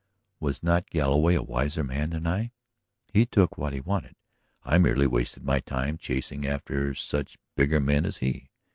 Was not Galloway a wiser man than I? He took what he wanted; I merely wasted my time chasing after such bigger men as he.